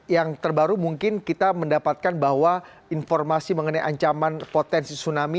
yang terbaru mungkin kita mendapatkan bahwa informasi mengenai ancaman potensi tsunami